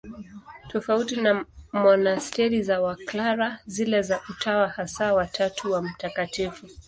Tofauti na monasteri za Waklara, zile za Utawa Hasa wa Tatu wa Mt.